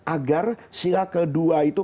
agar sila kedua itu